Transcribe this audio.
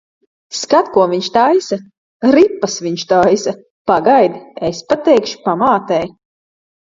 Skat, ko viņš taisa! Ripas viņš taisa. Pagaidi, es pateikšu pamātei.